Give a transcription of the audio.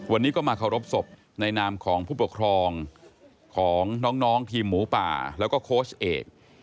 วันนี้ก็มาเคารพศพในนามของผู้ปกครองของน้องทีมหมูป่าแล้วก็โค้ชเอก